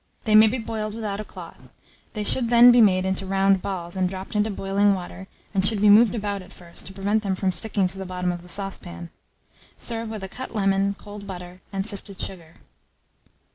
They may be boiled without a cloth: they should then be made into round balls, and dropped into boiling water, and should be moved about at first, to prevent them from sticking to the bottom of the saucepan. Serve with a cut lemon, cold butter, and sifted sugar.